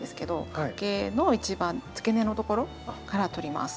花茎の一番つけ根のところから取ります。